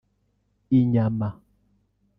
inyama